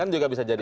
kan juga bisa jadi